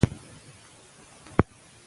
د زړه ماتول کعبه ورانول دي.